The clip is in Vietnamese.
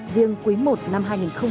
riêng quý i năm hai nghìn một mươi chín